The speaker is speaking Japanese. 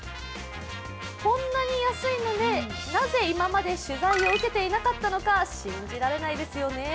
こんなに安いのになぜ今まで取材を受けていなかったのか、信じられないですよね。